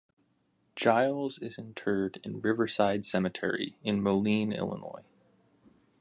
Giles is interred in Riverside Cemetery in Moline, Illinois.